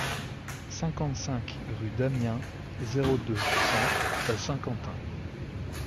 cinquante-cinq rue d'Amiens, zéro deux, cent à Saint-Quentin